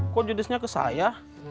kok judasnya ke saya